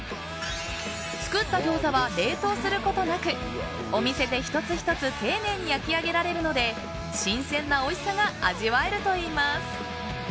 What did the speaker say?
作った餃子は冷凍することなくお店で１つ１つ丁寧に焼き上げられるので新鮮なおいしさが味わえるといいます。